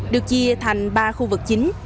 được chia thành ba khu vực chính